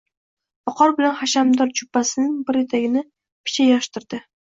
viqor bilan hashamdor jubbasining bir etagini picha yig'ishtirdi.